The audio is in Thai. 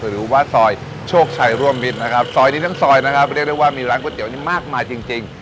หรือว่าซอยโชคชัยร่วมมิตรนะครับซอยนี้ทั้งซอยนะครับเรียกได้ว่ามีร้านก๋วนี่มากมายจริงจริง